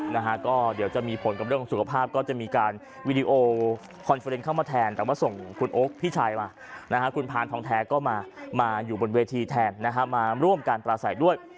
นะฮะก็เดี๋ยวจะมีผลกับเรื่องของสุขภาพก็จะมีการวีดีโอคอนเฟอร์เนสเข้ามาแทนแต่ว่าส่งคุณโอ๊คพี่ชายมานะฮะคุณพานทองแท้ก็มามาอยู่บนเวทีแทนนะฮะมาร่วมการปราศัยด้วย